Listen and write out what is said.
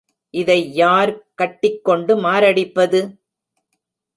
இதை யார் கட்டிக்கொண்டு மாரடிப்பது?